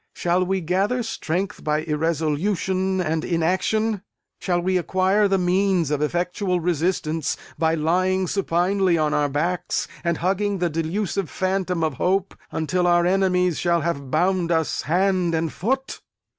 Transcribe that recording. Shall we gather strength by irresolution and inaction? Shall we acquire the means of effectual resistance by lying supinely on our backs and hugging the delusive phantom of hope until our enemies shall have bound us hand and foot?